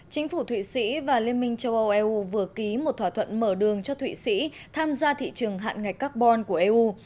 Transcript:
chính phủ thụy sĩ và liên minh châu âu eu vừa ký một thỏa thuận mở đường cho thụy sĩ tham gia thị trường hạn ngạch carbon của eu